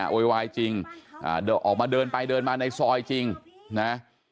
โวยวายจริงออกมาเดินไปเดินมาในซอยจริงนะ